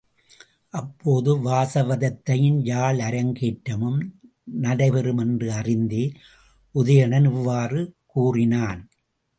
அப்போது வாசவதத்தையின் யாழ் அரங்கேற்றமும் நடைபெறுமென்று அறிந்தே உதயணன் இவ்வாறு கூறினான்.